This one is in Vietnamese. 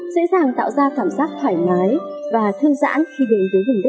dễ dàng tạo ra cảm giác thoải mái và thư giãn khi đến với vùng đất